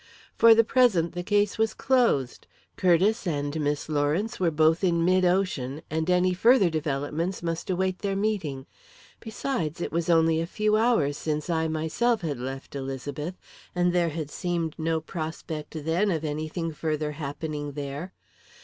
For the present, the case was closed. Curtiss and Miss Lawrence were both in mid ocean, and any further developments must await their meeting. Besides, it was only a few hours since I myself had left Elizabeth, and there had seemed no prospect then of anything further happening there.